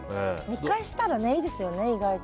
見返したらいいですよね。